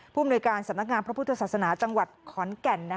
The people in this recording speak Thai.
ภูมิหน่วยการสำนักงานพระพุทธศาสนาจังหวัดขอนแก่น